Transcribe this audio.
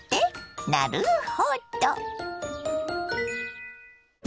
なるほど！